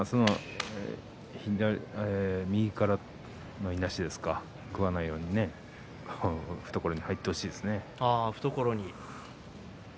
右からのいなしですか食わないように懐に入ってほしいですね。